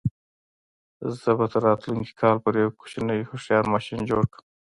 زه به تر راتلونکي کال پورې یو کوچنی هوښیار ماشین جوړ کړم.